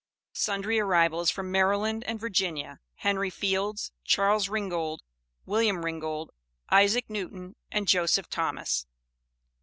SUNDRY ARRIVALS FROM MARYLAND AND VIRGINIA. HENRY FIELDS, CHARLES RINGGOLD, WILLIAM RINGGOLD, ISAAC NEWTON AND JOSEPH THOMAS.